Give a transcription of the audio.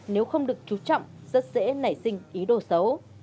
nếu không được chú trọng rất dễ nảy sinh ý đồ xấu